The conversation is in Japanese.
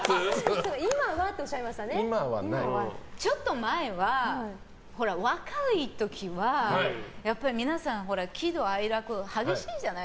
ちょっと前は若い時は皆さん喜怒哀楽、激しいじゃない。